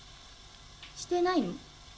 してないの？